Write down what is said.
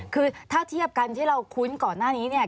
คือถ้าเทียบกันที่เราคุ้นก่อนหน้านี้เนี่ย